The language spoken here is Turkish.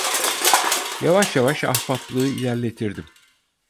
Yavaş yavaş ahbaplığı ilerletirdim.